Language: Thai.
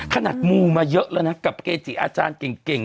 มูมาเยอะแล้วนะกับเกจิอาจารย์เก่ง